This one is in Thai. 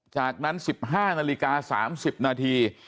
จากนั้น๑๕นาฬิกา๓๐นาที